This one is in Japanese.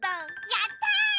やった！